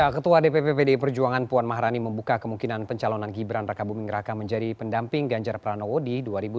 ketua dpp pdi perjuangan puan maharani membuka kemungkinan pencalonan gibran raka buming raka menjadi pendamping ganjar pranowo di dua ribu dua puluh